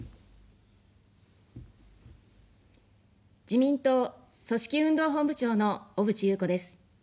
自民党組織運動本部長の小渕優子です。